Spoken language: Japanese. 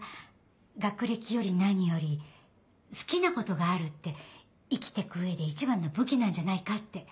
学歴より何より好きなことがあるって生きてく上で一番の武器なんじゃないかって。